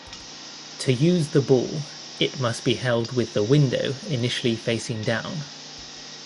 To use the ball, it must be held with the window initially facing down.